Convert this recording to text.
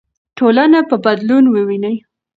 ټولنه به بدلون وویني.